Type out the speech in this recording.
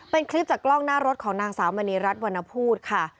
เป็นคลิปจากกล้องหน้ารถของนางสาวมณีรัฐวรรณพูดค่ะ